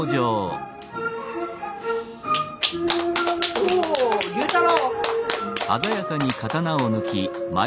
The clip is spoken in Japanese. お竜太郎！